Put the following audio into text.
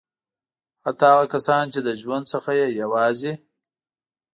حتی هغه کسان چې د ژوند څخه یې یوازې.